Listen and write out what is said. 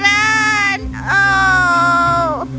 anak anak kami kelaparan